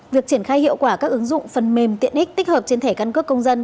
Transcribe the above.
việc triển khai hiệu quả các ứng dụng phần mềm tiện ích tích hợp trên thẻ căn cước công dân